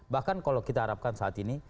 bahkan kalau kita harapkan saat ini